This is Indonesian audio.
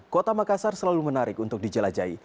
kota makassar selalu menarik untuk dijelajahi